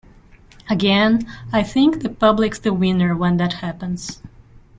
Again, I think the public is the winner when that happens.